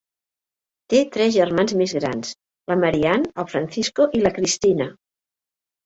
Té tres germans més grans, la Marian, el Francisco i la Cristina.